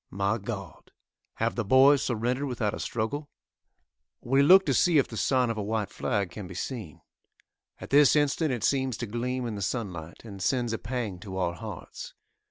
My God! have the boys surrendered without a struggle? We look to see if the sign of a white flag can be seen. At this instant it seems to gleam in the sun light, and sends a pang to our hearts.